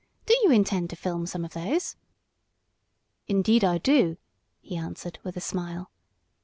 Do you intend to film some of those?" "Indeed I do," he answered, with a smile.